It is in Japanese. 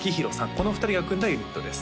この２人が組んだユニットです